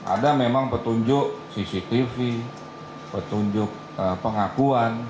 ada memang petunjuk cctv petunjuk pengakuan